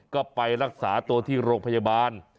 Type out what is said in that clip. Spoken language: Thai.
ก็ไปรักษาตัวที่โรงพยาบาล